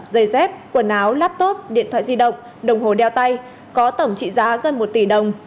dây dép quần áo laptop điện thoại di động đồng hồ đeo tay có tổng trị giá gần một tỷ đồng